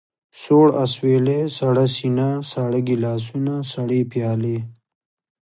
سوړ اسوېلی، سړه سينه، ساړه ګيلاسونه، سړې پيالې.